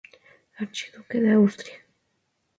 Archiduque de Austria.